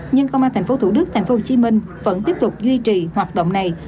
nhưng công an tp thủ đức tp hcm vẫn tiếp tục duy trì hoạt động này